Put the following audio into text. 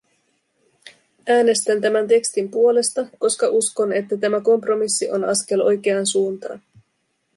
Äänestän tämän tekstin puolesta, koska uskon, että tämä kompromissi on askel oikeaan suuntaan.